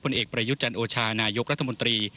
เอกประยุทธ์จันโอชานายกรัฐมนตรี